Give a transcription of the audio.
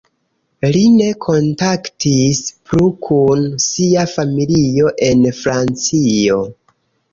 Li ne kontaktis plu kun sia familio en Francio.